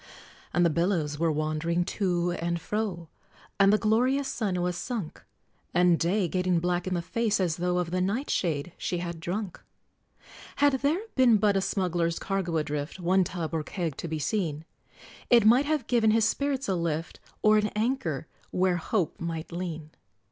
And the billows were wandering to and fro, And the glorious sun was sunk, And Day, getting black in the face, as though Of the nightshade she had drunk! Had there been but a smuggler's cargo adrift, One tub, or keg, to be seen, It might have given his spirits a lift Or an anker where Hope might lean!